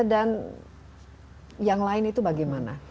dan yang lain itu bagaimana